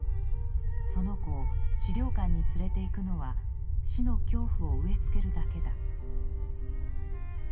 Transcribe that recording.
その子を資料館に連れて行くのは死の恐怖を植え付けるだけだ」。